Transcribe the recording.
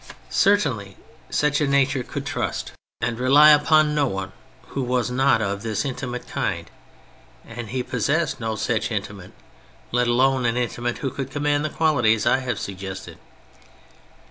Certainly such a nature could trust THE CHARACTERS 45 and rely upon no one who was not of this intimate kind, and he possessed no such intimate, let alone an intimate who could command the qualities I have suggested.